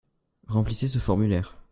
Remplissez ce formulaire.